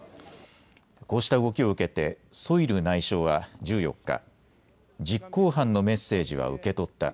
こうした動きを受けてソイル内相は１４日、実行犯のメッセージは受け取った。